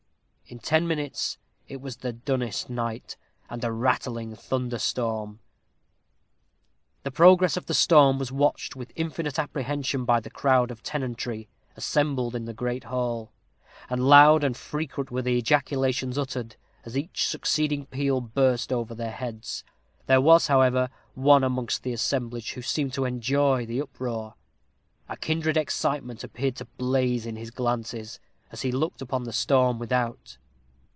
In ten minutes it was dunnest night, and a rattling thunder storm. The progress of the storm was watched with infinite apprehension by the crowd of tenantry assembled in the great hall; and loud and frequent were the ejaculations uttered, as each succeeding peal burst over their heads. There was, however, one amongst the assemblage who seemed to enjoy the uproar. A kindred excitement appeared to blaze in his glances, as he looked upon the storm without.